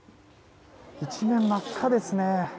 一面、真っ赤ですね。